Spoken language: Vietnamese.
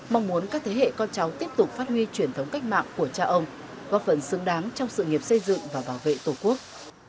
mong muốn các thế hệ con cháu tiếp tục phát huy truyền thống cách mạng của cha ông góp phần xứng đáng trong sự nghiệp xây dựng và bảo vệ tổ quốc